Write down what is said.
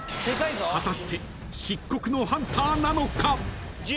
［果たして漆黒のハンターなのか？］